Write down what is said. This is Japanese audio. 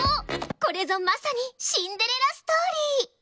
これぞまさにシンデレラストーリー。